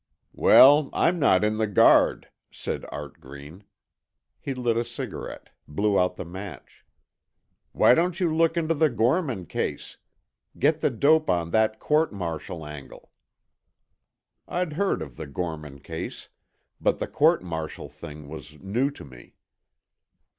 "Well, I'm not in the Guard," said Art Green. He lit a cigarette, blew out the match. "Why don't you look into the Gorman case? Get thc dope on that court martial angle." I'd heard of the Gorman case, but the court martial thing was new to me.